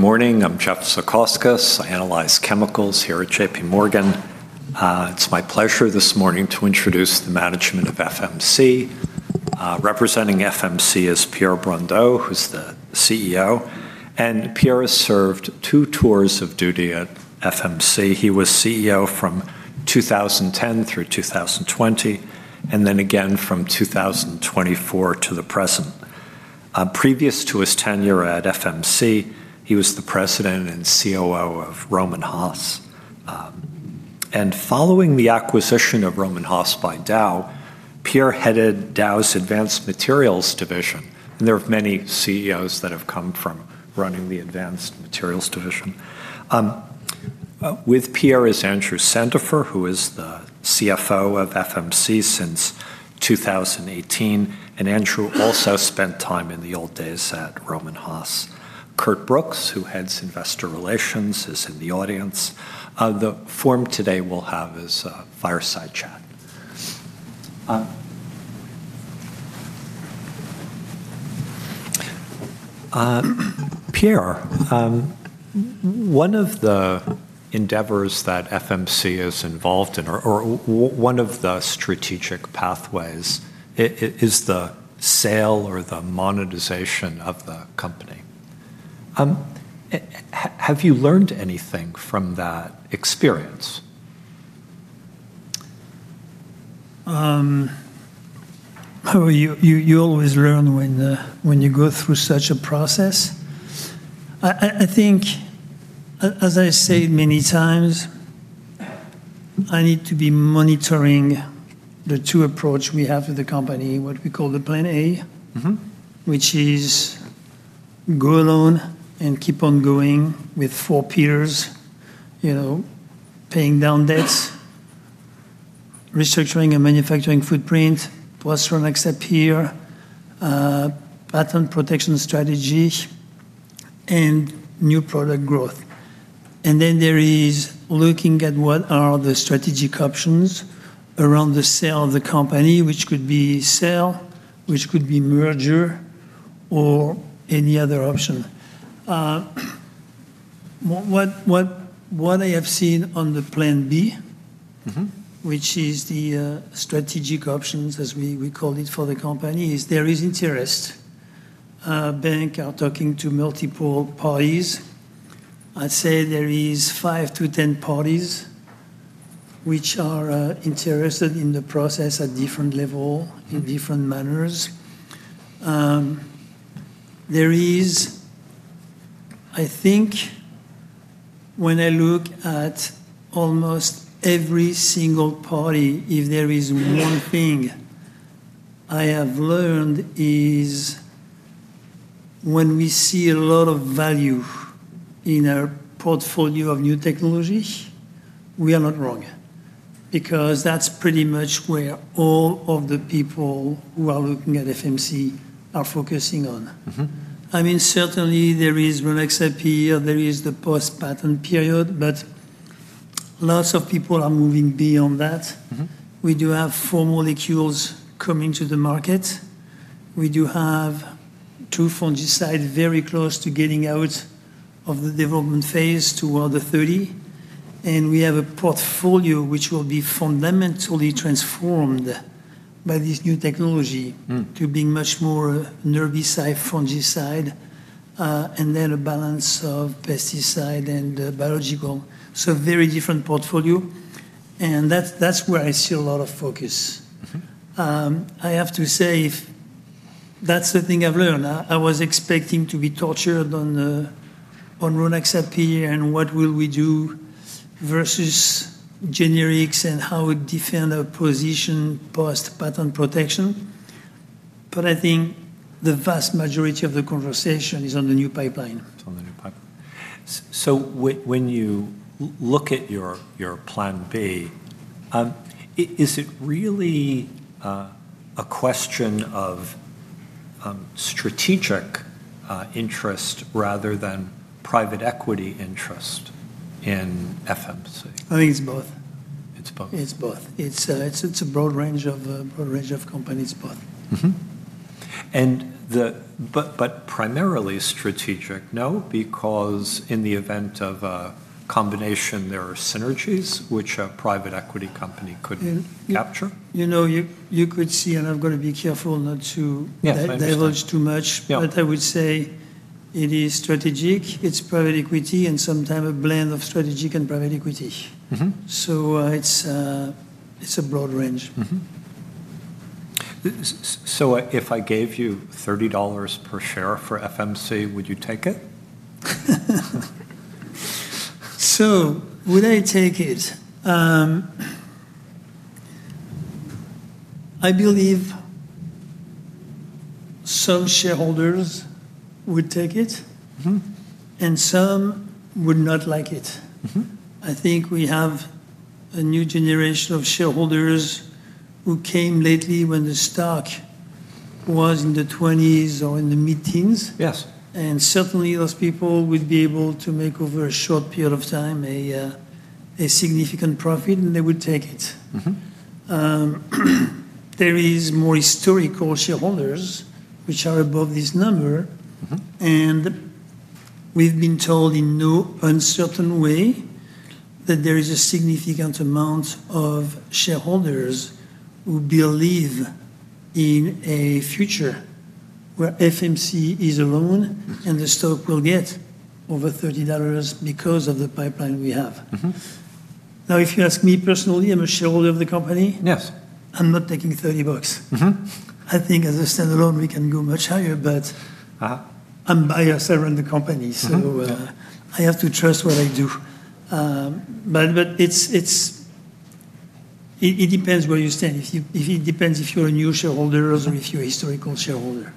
Good morning. I'm Jeff Zekauskas. I analyze chemicals here at JPMorgan. It's my pleasure this morning to introduce the management of FMC. Representing FMC is Pierre Brondeau, who's the CEO, and Pierre has served two tours of duty at FMC. He was CEO from 2010 through 2020, and then again from 2024 to the present. Previous to his tenure at FMC, he was the president and COO of Rohm and Haas. Following the acquisition of Rohm and Haas by Dow, Pierre headed Dow's Advanced Materials division, and there are many CEOs that have come from running the Advanced Materials division. With Pierre is Andrew Sandifer, who is the CFO of FMC since 2018, and Andrew also spent time in the old days at Rohm and Haas. Curt Brooks, who heads investor relations, is in the audience. The forum today we'll have is a fireside chat. Pierre, one of the endeavors that FMC is involved in or one of the strategic pathways is the sale or the monetization of the company. Have you learned anything from that experience? You always learn when you go through such a process. I think as I say many times, I need to be monitoring the two approach we have with the company, what we call the Plan A- Mm-hmm Which is grow alone and keep on going with core peers, you know, paying down debts, restructuring and manufacturing footprint, plus Rynaxypyr, patent protection strategy, and new product growth. They're looking at what are the strategic options around the sale of the company, which could be sell, which could be merger, or any other option. What I have seen on the Plan B- Mm-hmm which is the strategic options as we call it for the company, there is interest. Banks are talking to multiple parties. I'd say there is five to 10 parties which are interested in the process at different level, in different manners. I think when I look at almost every single party, if there is one thing I have learned is when we see a lot of value in our portfolio of new technology, we are not wrong because that's pretty much where all of the people who are looking at FMC are focusing on. Mm-hmm. I mean, certainly there is Rynaxypyr. There is the post-patent period, but lots of people are moving beyond that. Mm-hmm. We do have four molecules coming to the market. We do have two fungicides very close to getting out of the development phase toward 2030, and we have a portfolio which will be fundamentally transformed by this new technology. Mm. to being much more in the SDHI fungicide, and then a balance of pesticide and biological. Very different portfolio, and that's where I see a lot of focus. Mm-hmm. I have to say that's the thing I've learned. I was expecting to be tortured on Rynaxypyr and what will we do versus generics and how we defend our position post-patent protection, but I think the vast majority of the conversation is on the new pipeline. It's on the new pipeline. When you look at your Plan B, is it really a question of strategic interest rather than private equity interest in FMC? I think it's both. It's both. It's both. It's a broad range of companies, but- Primarily strategic, no? Because in the event of a combination, there are synergies which a private equity company couldn't capture. You know, you could see, and I've got to be careful not to. Yes. I understand. diverge too much. Yeah. I would say it is strategic, it's private equity, and sometimes a blend of strategic and private equity. Mm-hmm. It's a broad range. If I gave you $30 per share for FMC, would you take it? Would I take it? I believe some shareholders would take it. Mm-hmm Some would not like it. Mm-hmm. I think we have a new generation of shareholders who came lately when the stock was in the $20s or in the mid-teens. Yes. Certainly those people will be able to make over a short period of time a significant profit and they will take it. Mm-hmm. There is more historical shareholders which are above this number. Mm-hmm. We've been told in no uncertain way that there is a significant amount of shareholders who believe in a future where FMC is alone. Mm-hmm The stock will get over $30 because of the pipeline we have. Mm-hmm. Now, if you ask me personally, I'm a shareholder of the company. Yes. I'm not taking $30. Mm-hmm. I think as a standalone we can go much higher, but. Uh-huh I'm biased about the company. Mm-hmm I have to trust what I do. But it's. It depends where you stand. It depends if you're a new shareholder or if you're a historical shareholder.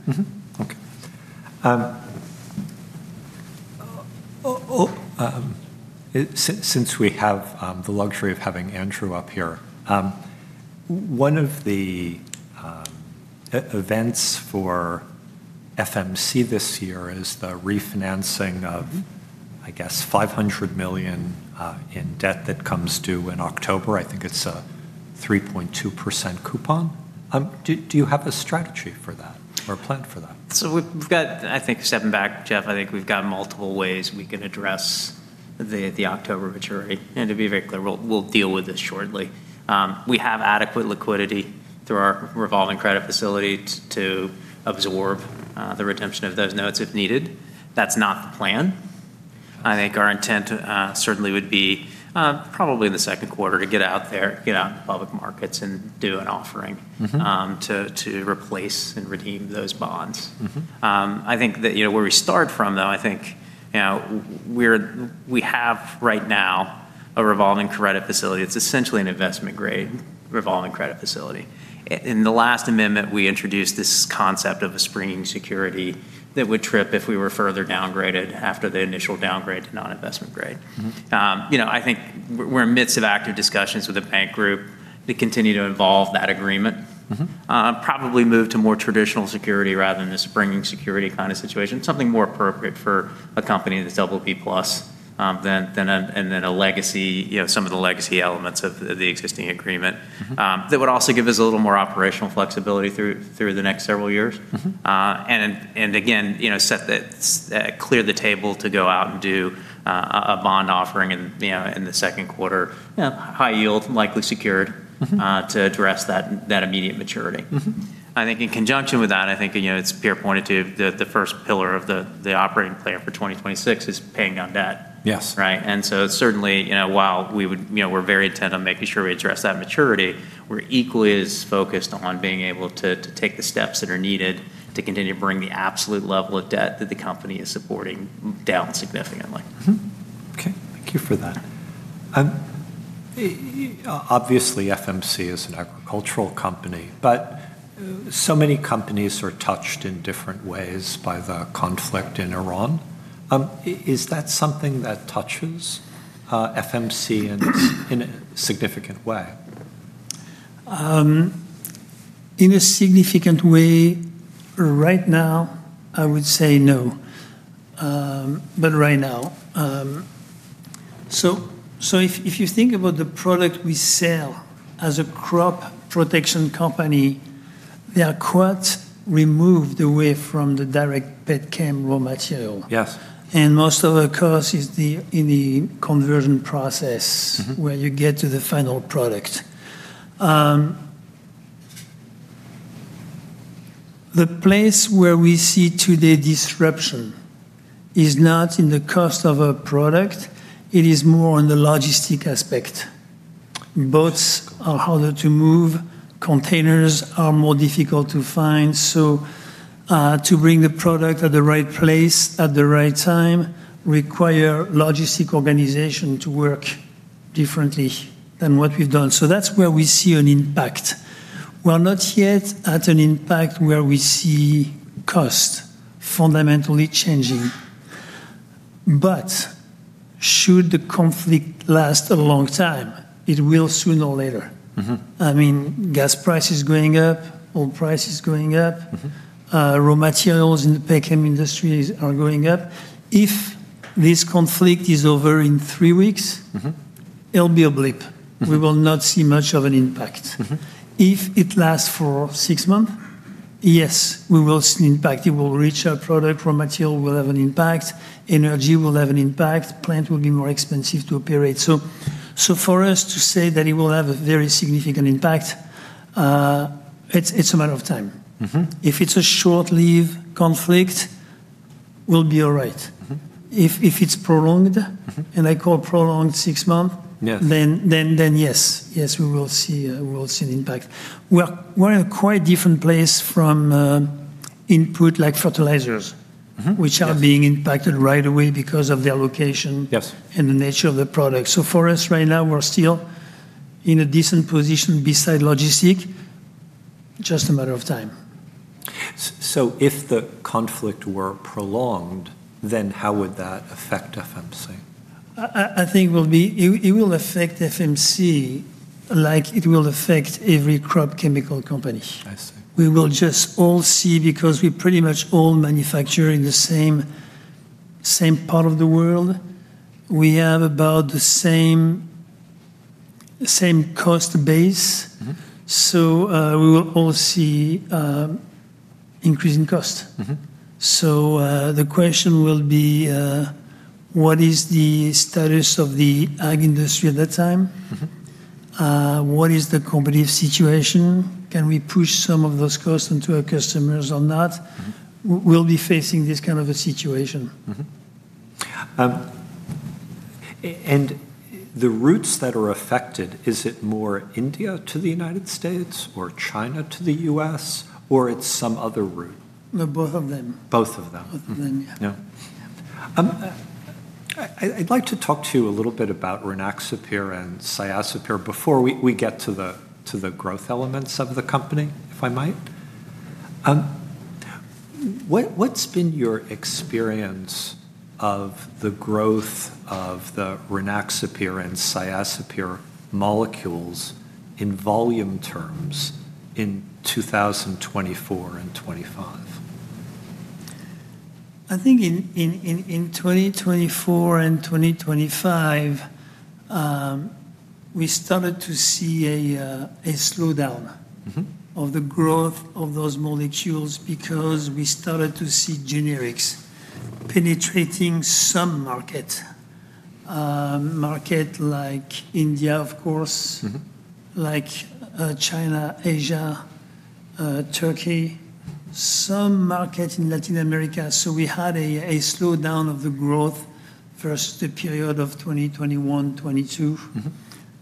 Since we have the luxury of having Andrew up here, one of the events for FMC this year is the refinancing of, I guess, $500 million in debt that comes due in October. I think it's a 3.2% coupon. Do you have a strategy for that or a plan for that? We've got multiple ways we can address the October maturity. To be very clear, we'll deal with this shortly. We have adequate liquidity through our revolving credit facility to absorb the redemption of those notes if needed. That's not the plan. I think our intent certainly would be probably in the second quarter to get out there, get out in the public markets and do an offering. Mm-hmm to replace and redeem those bonds. Mm-hmm. I think that, you know, where we start from, though, I think, you know, we have right now a revolving credit facility. It's essentially an investment grade revolving credit facility. In the last amendment, we introduced this concept of a springing security that would trip if we were further downgraded after the initial downgrade to non-investment grade. Mm-hmm. You know, I think we're in midst of active discussions with a bank group to continue to evolve that agreement. Mm-hmm. Probably move to more traditional security rather than the springing security kind of situation. Something more appropriate for a company that's BB+, than a legacy, you know, some of the legacy elements of the existing agreement. Mm-hmm. That would also give us a little more operational flexibility through the next several years. Mm-hmm. again, you know, clear the table to go out and do a bond offering in, you know, in the second quarter. You know, high yield, likely secured- Mm-hmm to address that immediate maturity. Mm-hmm. I think in conjunction with that, you know, as Pierre pointed to, the first pillar of the operating plan for 2026 is paying down debt. Yes. Right? Certainly, you know, while we would, you know, we're very intent on making sure we address that maturity, we're equally as focused on being able to take the steps that are needed to continue to bring the absolute level of debt that the company is supporting down significantly. Thank you for that. Obviously, FMC is an agricultural company, but so many companies are touched in different ways by the conflict in Iran. Is that something that touches FMC in a significant way? In a significant way right now, I would say no. But right now, if you think about the product we sell as a crop protection company, they are quite removed away from the direct Petchem raw material. Yes. Most of the cost is in the conversion process. Mm-hmm Where you get to the final product. The place where we see today disruption is not in the cost of a product. It is more on the logistic aspect. Boats are harder to move. Containers are more difficult to find. To bring the product at the right place at the right time require logistic organization to work differently than what we've done. That's where we see an impact. We are not yet at an impact where we see cost fundamentally changing. Should the conflict last a long time, it will sooner or later. Mm-hmm. I mean, gas price is going up, oil price is going up. Mm-hmm. Raw materials in the Philippines etchem industries are going up. If this conflict is over in three weeks. Mm-hmm It'll be a blip. Mm-hmm. We will not see much of an impact. Mm-hmm. If it lasts for six months, yes, we will see impact. It will reach our product. Raw material will have an impact, energy will have an impact, plant will be more expensive to operate. For us to say that it will have a very significant impact, it's a matter of time. Mm-hmm. If it's a short live conflict, we'll be all right. Mm-hmm. If it's prolonged- Mm-hmm I call prolonged six months. Yes Yes, we will see an impact. We're in a quite different place from input like fertilizers. Mm-hmm. Yes which are being impacted right away because of their location Yes the nature of the product. For us right now, we're still in a decent position besides logistics, just a matter of time. If the conflict were prolonged, then how would that affect FMC? I think it will be. It will affect FMC. Like it will affect every crop chemical company. I see. We will just all see because we pretty much all manufacture in the same part of the world. We have about the same cost base. Mm-hmm. We will all see increase in cost. Mm-hmm. The question will be, what is the status of the ag industry at that time? Mm-hmm. What is the company's situation? Can we push some of those costs into our customers or not? Mm-hmm. We'll be facing this kind of a situation. The routes that are affected, is it more India to the United States or China to the U.S., or it's some other route? No, both of them. Both of them. Both of them, yeah. Yeah. I'd like to talk to you a little bit about Rynaxypyr and Cyantraniliprole before we get to the growth elements of the company, if I might. What's been your experience of the growth of the Rynaxypyr and Cyantraniliprole molecules in volume terms in 2024 and 2025? I think in 2024 and 2025, we started to see a slowdown. Mm-hmm of the growth of those molecules because we started to see generics penetrating some market like India, of course. Mm-hmm Like China, Asia, Turkey, some market in Latin America. We had a slowdown of the growth for the period of 2021, 2022.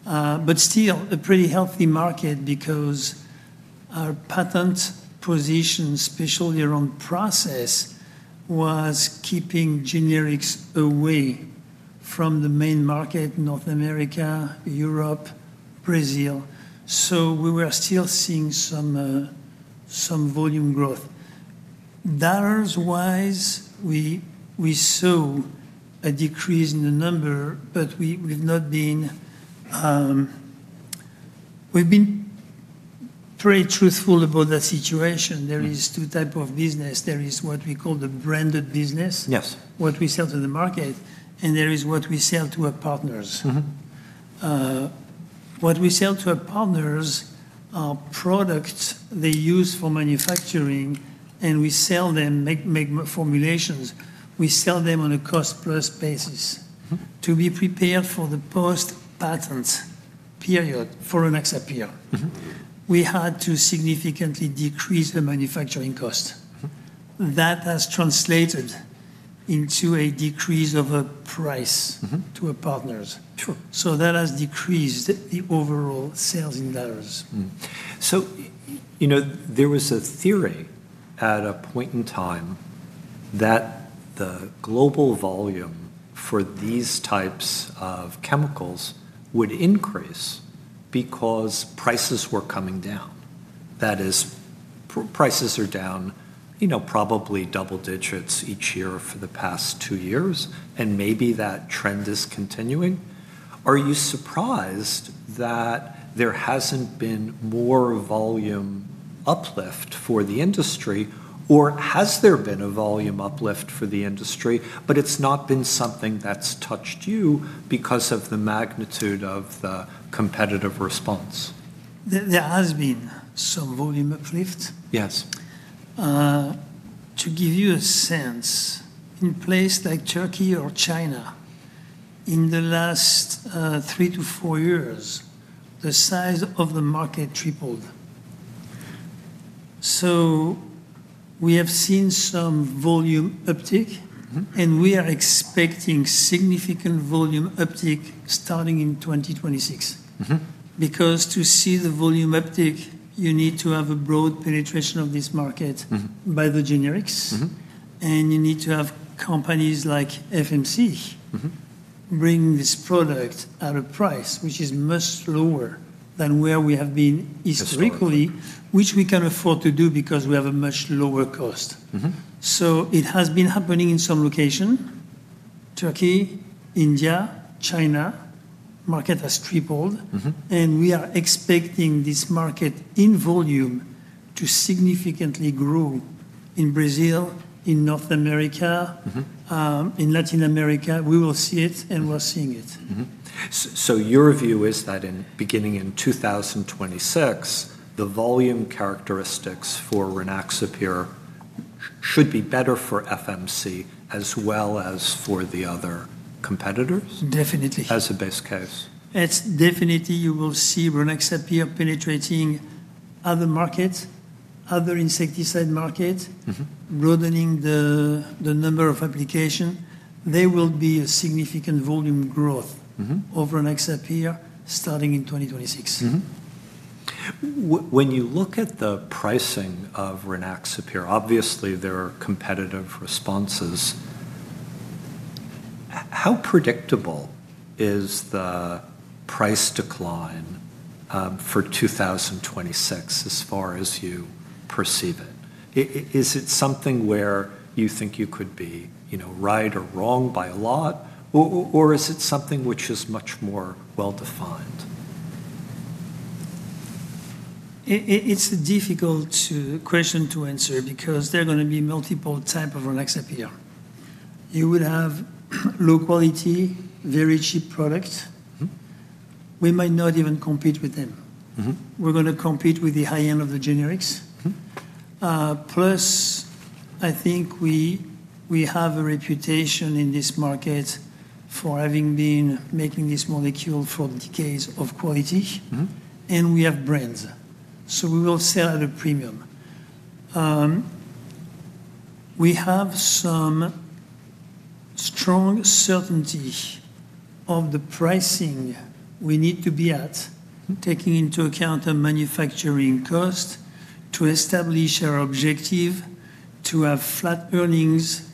Mm-hmm. Still a pretty healthy market because our patent position, especially around process, was keeping generics away from the main market, North America, Europe, Brazil. We were still seeing some volume growth. Dollars-wise, we saw a decrease in the number, but we've been pretty truthful about that situation. Mm-hmm. There are two types of business. There is what we call the branded business. Yes What we sell to the market, and there is what we sell to our partners. Mm-hmm. What we sell to our partners are products they use for manufacturing, and we sell them make formulations. We sell them on a cost-plus basis. Mm-hmm. To be prepared for the post-patent period for Rynaxypyr. Mm-hmm We had to significantly decrease the manufacturing cost. Mm-hmm. That has translated into a decrease of a price. Mm-hmm to our partners. Sure. That has decreased the overall sales in dollars. You know, there was a theory at a point in time that the global volume for these types of chemicals would increase because prices were coming down. That is, prices are down, you know, probably double digits each year for the past two years, and maybe that trend is continuing. Are you surprised that there hasn't been more volume uplift for the industry, or has there been a volume uplift for the industry, but it's not been something that's touched you because of the magnitude of the competitive response? There has been some volume uplift. Yes. To give you a sense, in places like Turkey or China, in the last three to four years, the size of the market tripled. We have seen some volume uptick. Mm-hmm We are expecting significant volume uptick starting in 2026. Mm-hmm. Because to see the volume uptick, you need to have a broad penetration of this market. Mm-hmm by the generics. Mm-hmm. You need to have companies like FMC. Mm-hmm bring this product at a price which is much lower than where we have been historically. Historically which we can afford to do because we have a much lower cost. Mm-hmm. It has been happening in some location. Turkey, India, China, market has tripled. Mm-hmm. We are expecting this market, in volume, to significantly grow in Brazil, in North America. Mm-hmm in Latin America. We will see it, and we're seeing it. Your view is that beginning in 2026, the volume characteristics for Rynaxypyr should be better for FMC as well as for the other competitors? Definitely. As a base case. It's definitely you will see Rynaxypyr penetrating other markets, other insecticide markets. Mm-hmm Broadening the number of applications. There will be a significant volume growth. Mm-hmm of Rynaxypyr starting in 2026. When you look at the pricing of Rynaxypyr, obviously there are competitive responses. How predictable is the price decline for 2026 as far as you perceive it? Is it something where you think you could be, you know, right or wrong by a lot, or is it something which is much more well-defined? It's a difficult question to answer because there are gonna be multiple type of Rynaxypyr. You would have low quality, very cheap product. Mm-hmm. We might not even compete with them. Mm-hmm. We're gonna compete with the high end of the generics. Mm-hmm. Plus, I think we have a reputation in this market for having been making this molecule for decades of quality. Mm-hmm. We have brands, so we will sell at a premium. We have some strong certainty of the pricing we need to be at, taking into account the manufacturing cost to establish our objective to have flat earnings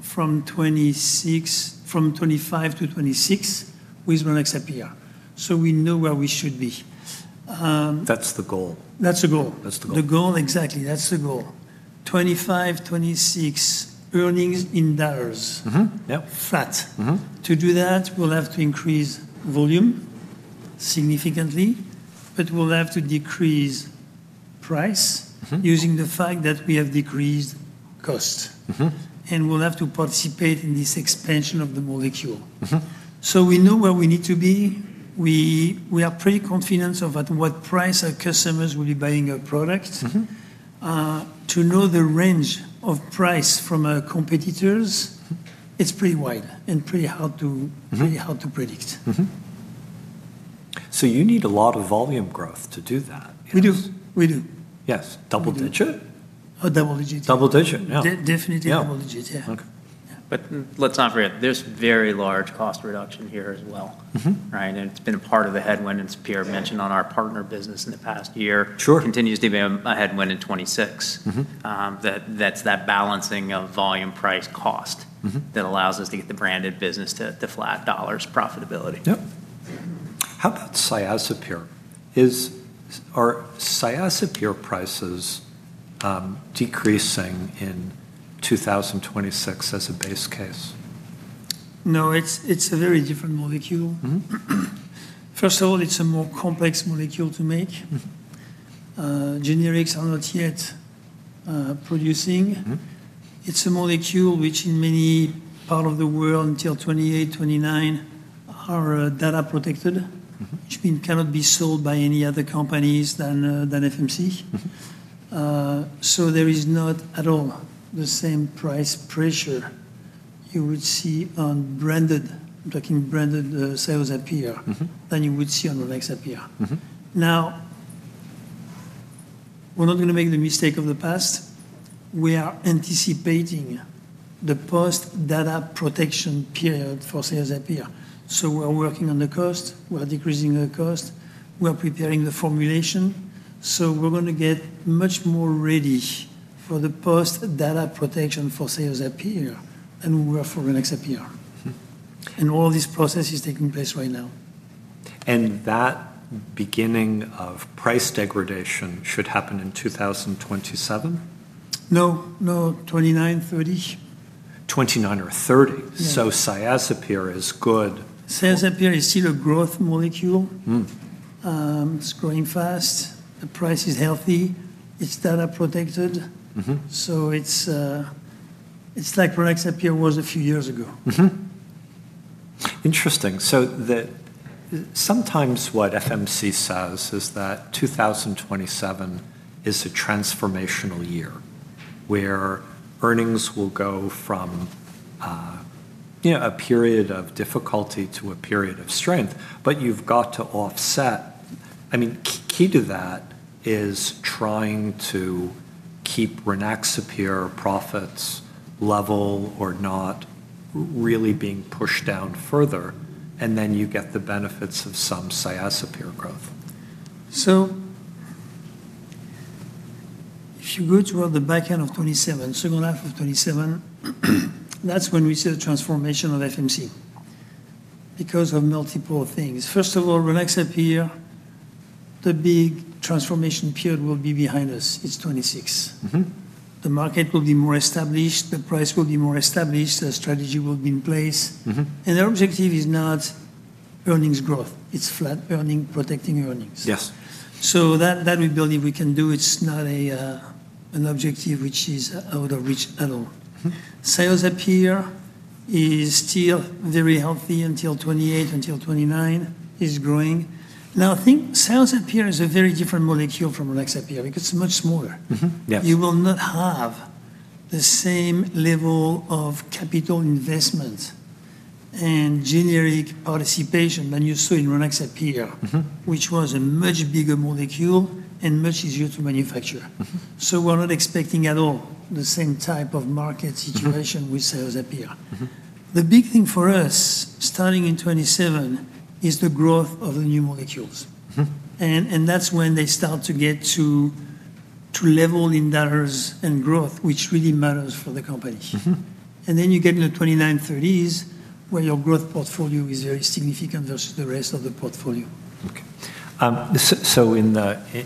from 2025 to 2026 with Rynaxypyr, so we know where we should be. That's the goal. That's the goal. That's the goal. The goal. Exactly. That's the goal. 2025, 2026 earnings in dollars. Mm-hmm. Yep. Flat. Mm-hmm. To do that, we'll have to increase volume significantly, but we'll have to decrease price. Mm-hmm Using the fact that we have decreased cost. Mm-hmm. We'll have to participate in this expansion of the molecule. Mm-hmm. We know where we need to be. We are pretty confident of at what price our customers will be buying our product. Mm-hmm. To know the range of price from our competitors, it's pretty wide and pretty hard to. Mm-hmm pretty hard to predict. You need a lot of volume growth to do that. We do. Yes. Double digit? Oh, double-digit. Double digit. Yeah. De-definitely- Yeah Double digit. Yeah. Okay. Let's not forget, there's very large cost reduction here as well. Mm-hmm. Right? It's been a part of the headwind, as Pierre mentioned, on our partner business in the past year. Sure. Continues to be a headwind in 2026. Mm-hmm. That's that balancing of volume price cost. Mm-hmm that allows us to get the branded business to flat dollars profitability. Yep. How about Cyazypyr? Are Cyazypyr prices decreasing in 2026 as a base case? No, it's a very different molecule. Mm-hmm. First of all, it's a more complex molecule to make. Mm-hmm. Generics are not yet producing. Mm-hmm. It's a molecule which in many parts of the world, until 2028, 2029, are data protected. Mm-hmm which mean cannot be sold by any other companies than FMC. Mm-hmm. There is not at all the same price pressure you would see on branded, like in branded, sales appear- Mm-hmm than you would see on Rynaxypyr. Mm-hmm. Now, we're not gonna make the mistake of the past. We are anticipating the post-data protection period for Cyazypyr. We're working on the cost. We're decreasing the cost. We are preparing the formulation. We're gonna get much more ready for the post-data protection for Cyazypyr than we were for Rynaxypyr. Mm-hmm. All this process is taking place right now. That beginning of price degradation should happen in 2027? No, no. 2029, 2030. 2029 or 2030. Yeah. Cyazypyr is good. Cyazypyr is still a growth molecule. Mm. It's growing fast. The price is healthy. It's data protected. Mm-hmm. It's like Rynaxypyr was a few years ago. Sometimes what FMC says is that 2027 is a transformational year, where earnings will go from, you know, a period of difficulty to a period of strength. You've got to offset. I mean, key to that is trying to keep Rynaxypyr profits level or not really being pushed down further, and then you get the benefits of some Cyazypyr growth. If you go to the back end of 2027, second half of 2027, that's when we see the transformation of FMC because of multiple things. First of all, Rynaxypyr, the big transformation period will be behind us. It's 2026. Mm-hmm. The market will be more established, the price will be more established, the strategy will be in place. Mm-hmm. The objective is not earnings growth. It's flat earnings, protecting earnings. Yes. That we believe we can do. It's not an objective which is out of reach at all. Mm-hmm. Rynaxypyr is still very healthy until 2028. Until 2029, it's growing. Now, I think Cyazypyr is a very different molecule from Rynaxypyr because it's much smaller. Mm-hmm. Yes. You will not have the same level of capital investment and generic participation than you saw in Rynaxypyr. Mm-hmm which was a much bigger molecule and much easier to manufacture. Mm-hmm. We're not expecting at all the same type of market situation with Cyazypyr. Mm-hmm. The big thing for us, starting in 2027, is the growth of the new molecules. Mm. That's when they start to get to level in dollars and growth, which really matters for the company. Mm-hmm. You get in the 2029, 2030s, where your growth portfolio is very significant versus the rest of the portfolio. Okay.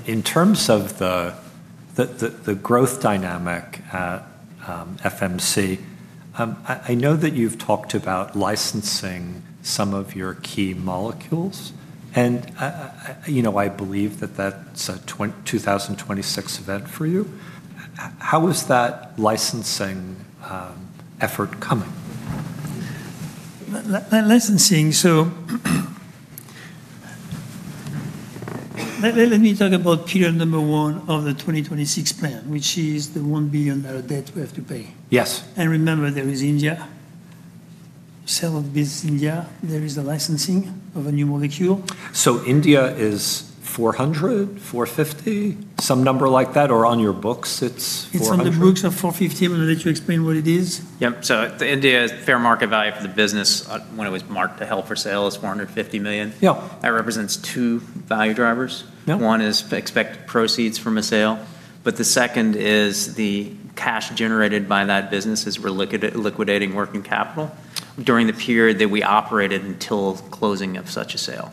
In terms of the growth dynamic at FMC, I know that you've talked about licensing some of your key molecules and you know, I believe that that's a 2026 event for you. How is that licensing effort coming? Licensing. Let me talk about pillar number one of the 2026 plan, which is the $1 billion debt we have to pay. Yes. Remember, there is India. Sale of BizIndia, there is a licensing of a new molecule. India is $400 million, $450 million? Some number like that, or on your books it's $400 million? It's on the books of $450 million. I'm gonna let you explain what it is. Yep. India's fair market value for the business, when it was marked as held for sale, is $450 million. Yeah. That represents two value drivers. Yep. One is expected proceeds from a sale, but the second is the cash generated by that business as we're liquidating working capital during the period that we operated until closing of such a sale.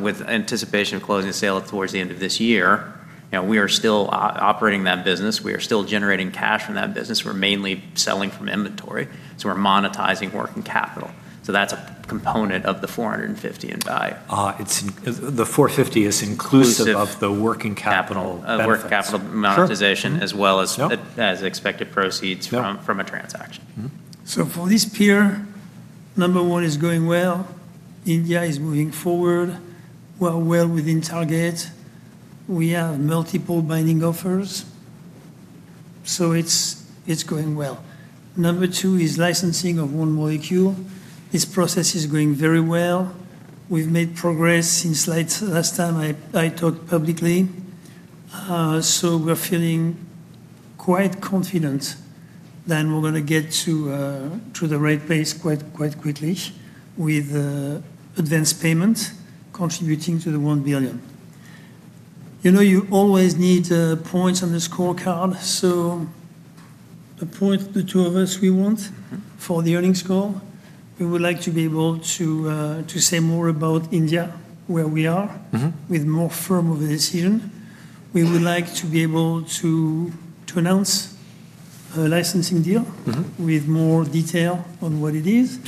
With anticipation of closing the sale towards the end of this year, you know, we are still operating that business. We are still generating cash from that business. We're mainly selling from inventory, so we're monetizing working capital. That's a component of the $450 million in value. Uh, it's in-- the $450 million is inclusive- Inclusive of the working capital. Capital benefits. Working capital monetization. Sure. Mm-hmm.... as well as- Yeah As expected proceeds from. Yeah from a transaction. Mm-hmm. For this pillar, number one is going well. India is moving forward. We're well within target. We have multiple binding offers, so it's going well. Number two is licensing of one molecule. This process is going very well. We've made progress since late last time I talked publicly. We're feeling quite confident that we're gonna get to the right place quite quickly with advanced payment contributing to the $1 billion. You know, you always need points on the scorecard, so point two, as we want for the earnings call, we would like to be able to say more about India, where we are. Mm-hmm With more firm of a decision. We would like to be able to announce a licensing deal. Mm-hmm With more detail on what it is.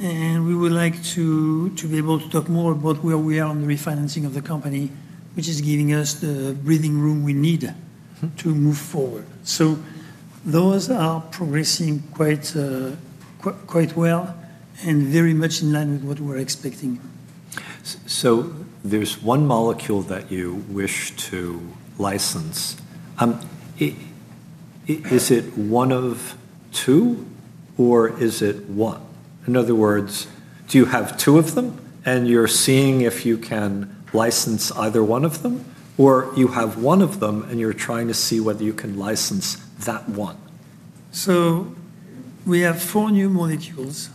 Sure. We would like to be able to talk more about where we are on the refinancing of the company, which is giving us the breathing room we need. Mm-hmm To move forward. Those are progressing quite well and very much in line with what we're expecting. There's one molecule that you wish to license. Is it one of two, or is it one? In other words, do you have two of them, and you're seeing if you can license either one of them? Or you have one of them, and you're trying to see whether you can license that one? We have four new molecules,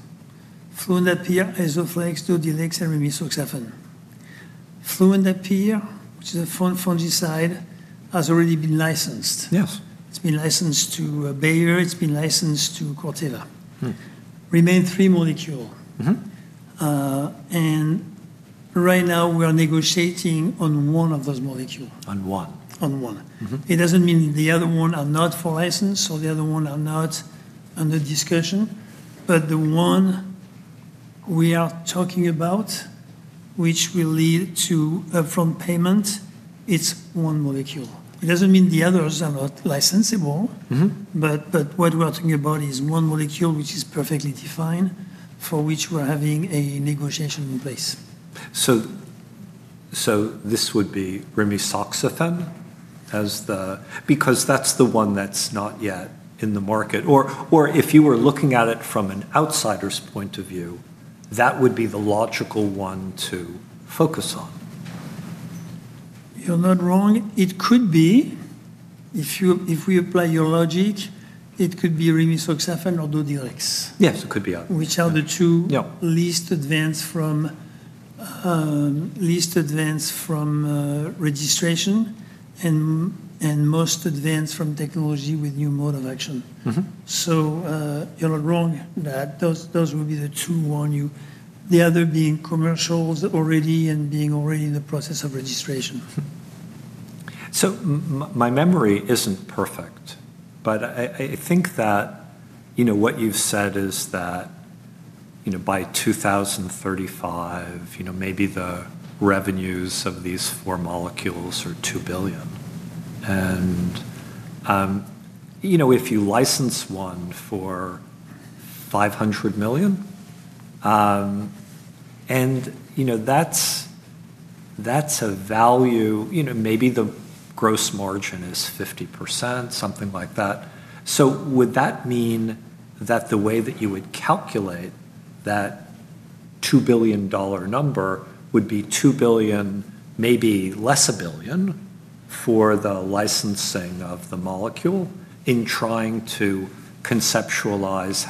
fluindapyr, Isoflex, Dodhylex, and rimisoxafen. Fluindapyr, which is a fungicide, has already been licensed. Yes. It's been licensed to Bayer. It's been licensed to Corteva. Right. Rynaxypyr molecule. Mm-hmm. Right now we are negotiating on one of those molecule. On one. On one. Mm-hmm. It doesn't mean the other one are not for license or the other one are not under discussion, but the one we are talking about which will lead to upfront payment, it's one molecule. It doesn't mean the others are not licensable. Mm-hmm. What we are talking about is one molecule which is perfectly defined, for which we're having a negotiation in place. This would be rimisoxafen, because that's the one that's not yet in the market. If you were looking at it from an outsider's point of view, that would be the logical one to focus on. You're not wrong. It could be. If we apply your logic, it could be rimisoxafen or Dodhylex. Yes, it could be either.... which are the two- Yeah Least advanced from registration and most advanced from technology with new mode of action. Mm-hmm. You're not wrong that those would be the two. The other being commercialized already in the process of registration. My memory isn't perfect, but I think that, you know, what you've said is that, you know, by 2035, you know, maybe the revenues of these four molecules are $2 billion. You know, if you license one for $500 million, and you know, that's a value, you know, maybe the gross margin is 50%, something like that. Would that mean that the way that you would calculate that $2 billion number would be $2 billion, maybe less $1 billion for the licensing of the molecule in trying to conceptualize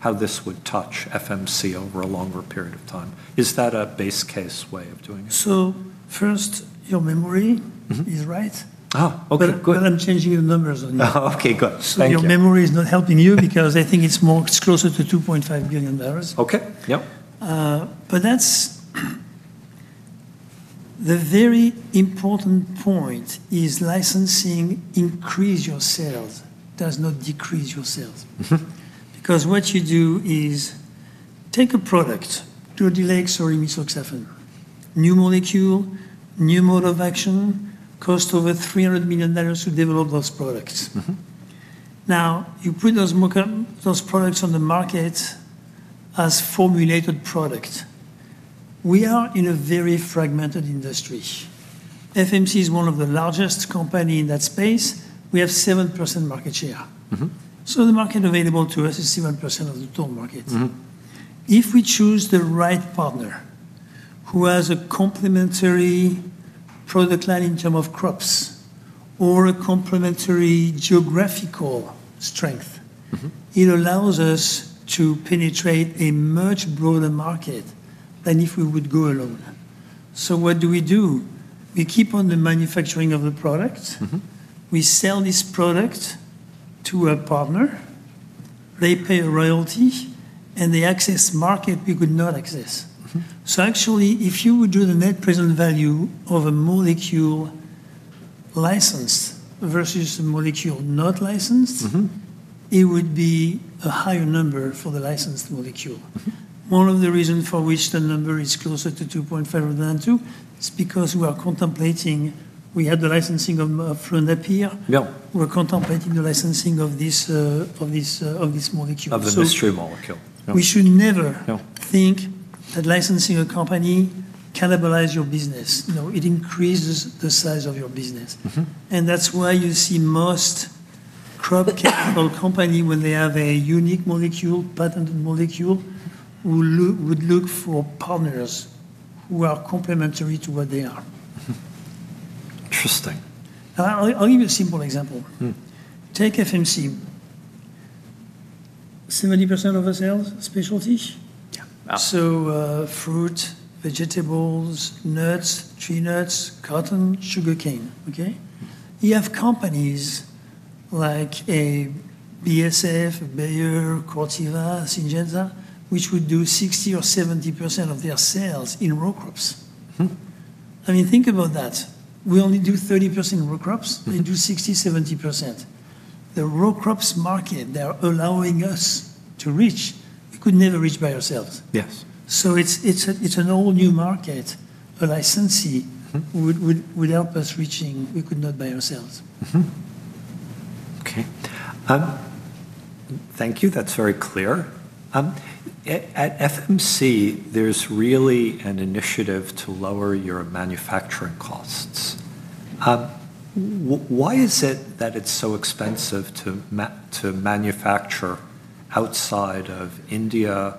how this would touch FMC over a longer period of time? Is that a base case way of doing it? First, your memory. Mm-hmm Is right. Oh, okay. Good. I'm changing the numbers on you. Okay, good. Thank you. Your memory is not helping you because I think it's closer to $2.5 billion. Okay. Yep. That's the very important point is licensing increase your sales, does not decrease your sales. Because what you do is take a product, Dodhylex or rimisoxafen, new molecule, new mode of action, cost over $300 million to develop those products. Mm-hmm. Now, you put those products on the market as formulated product. We are in a very fragmented industry. FMC is one of the largest company in that space. We have 7% market share. Mm-hmm. The market available to us is 7% of the total market. Mm-hmm. If we choose the right partner who has a complementary product line in terms of crops or a complementary geographical strength. Mm-hmm... it allows us to penetrate a much broader market than if we would go alone. What do we do? We keep on the manufacturing of the product. Mm-hmm. We sell this product to a partner. They pay a royalty, and they access market we could not access. Mm-hmm. Actually, if you would do the net present value of a molecule licensed versus a molecule not licensed. Mm-hmm It would be a higher number for the licensed molecule. Mm-hmm. One of the reason for which the number is closer to $2.5 billion than $2 billion is because we had the licensing of fluindapyr. Yeah. We're contemplating the licensing of this molecule. Of the mystery molecule. We should never- No Think that licensing a company cannibalize your business. No, it increases the size of your business. Mm-hmm. That's why you see most crop chemical company when they have a unique molecule, patented molecule, would look for partners who are complementary to what they are. Interesting. Now I'll give you a simple example. Hmm. Take FMC. 70% of our sales, specialties. Yeah. fruit, vegetables, nuts, tree nuts, cotton, sugarcane, okay? You have companies like a BASF, Bayer, Corteva, Syngenta, which would do 60% or 70% of their sales in row crops. Hmm. I mean, think about that. We only do 30% row crops. Mm-hmm. They do 60%-70%. The row crops market they're allowing us to reach, we could never reach by ourselves. Yes. It's an all new market a licensee- Mm-hmm Would help us reaching we could not by ourselves. Okay. Thank you. That's very clear. At FMC, there's really an initiative to lower your manufacturing costs. Why is it that it's so expensive to manufacture outside of India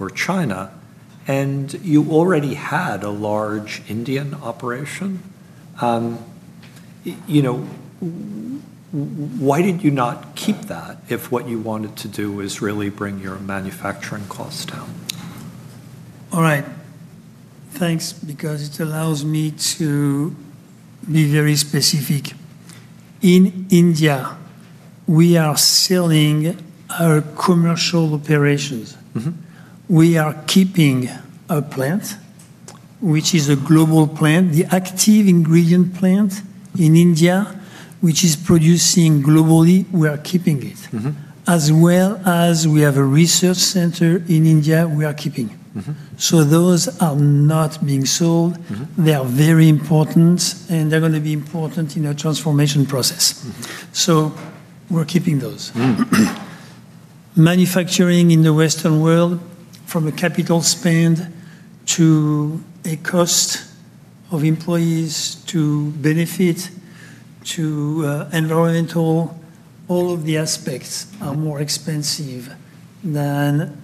or China, and you already had a large Indian operation? You know, why did you not keep that if what you wanted to do was really bring your manufacturing costs down? All right. Thanks, because it allows me to be very specific. In India, we are selling our commercial operations. Mm-hmm. We are keeping a plant which is a global plant. The active ingredient plant in India, which is producing globally, we are keeping it. Mm-hmm. As well as, we have a research center in India, we are keeping. Mm-hmm. Those are not being sold. Mm-hmm. They are very important, and they're gonna be important in our transformation process. Mm-hmm. We're keeping those. Mm. Manufacturing in the Western world, from a capital spend to a cost of employees to benefits to environmental, all of the aspects are more expensive than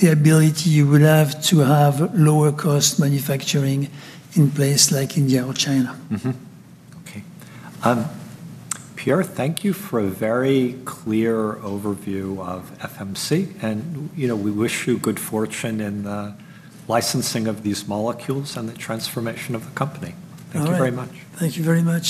the ability you would have to have lower cost manufacturing in place like India or China. Pierre, thank you for a very clear overview of FMC, and, you know, we wish you good fortune in the licensing of these molecules and the transformation of the company. All right. Thank you very much. Thank you very much.